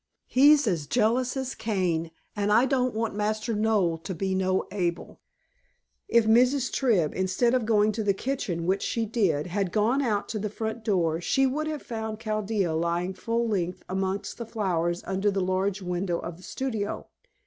He's as jealous as Cain, and I don't want Master Noel to be no Abel!" If Mrs. Tribb, instead of going to the kitchen, which she did, had gone out of the front door, she would have found Chaldea lying full length amongst the flowers under the large window of the studio.